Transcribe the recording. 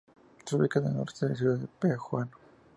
Se ubica al noroeste de la ciudad de Pehuajó.